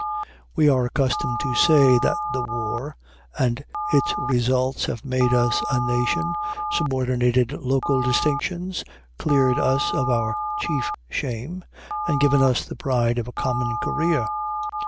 We are accustomed to say that the war and its results have made us a nation, subordinated local distinctions, cleared us of our chief shame, and given us the pride of a common career.